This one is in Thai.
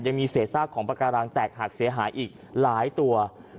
ยังมีเศษซากของปากการังแตกหักเสียหายอีกหลายตัว